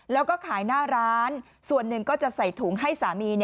แล้วก็ขายหน้าร้านส่วนหนึ่งก็จะใส่ถุงให้สามี